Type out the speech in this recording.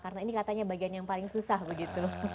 karena ini katanya bagian yang paling susah begitu